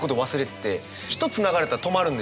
一つ流れたら止まるんですよね。